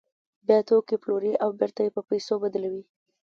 بیا توکي پلوري او بېرته یې په پیسو بدلوي